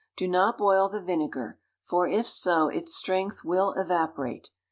Do not boil the vinegar, for if so its strength will evaporate.